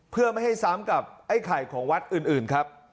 เพื่อไม่ให้ซ้ำกับไอ้ไข่ของวัดอื่นครับ